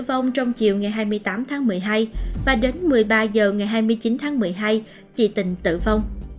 tử vong trong chiều ngày hai mươi tám tháng một mươi hai và đến một mươi ba h ngày hai mươi chín tháng một mươi hai chị tình tử vong